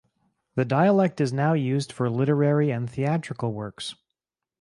The dialect is now used for literary and theatrical works.